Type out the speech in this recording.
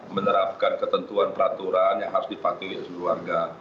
menerapkan ketentuan peraturan yang harus dipatuhi oleh sebuah keluarga